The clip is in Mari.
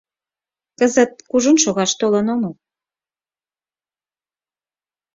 — Кызыт кужун шогаш толын омыл.